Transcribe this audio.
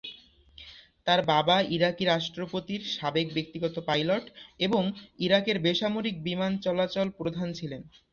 তার বাবা ইরাকি রাষ্ট্রপতির সাবেক ব্যক্তিগত পাইলট এবং ইরাকের বেসামরিক বিমান চলাচল প্রধান ছিলেন।